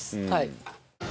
はい。